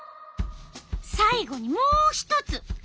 さい後にもう一つ。